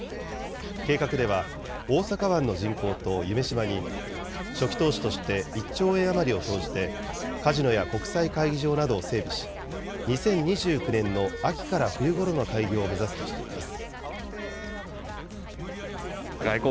計画では、大阪湾の人工島、夢洲に、初期投資として１兆円余りを投じて、カジノや国際会議場などを整備し、２０２９年の秋から冬ごろの開業を目指すとしています。